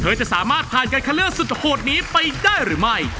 จะสามารถผ่านการคัดเลือกสุดโหดนี้ไปได้หรือไม่